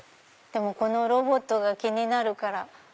でもこのロボットが気になるから。